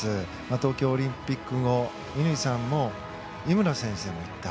東京オリンピック後、乾さんも井村先生も言った。